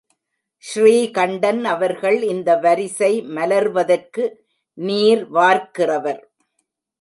ஸ்ரீகண்டன் அவர்கள் இந்த வரிசை மலர்வதற்கு நீர் வார்க்கிறவர்.